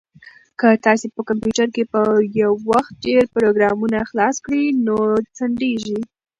که تاسي په کمپیوټر کې په یو وخت ډېر پروګرامونه خلاص کړئ نو ځنډیږي.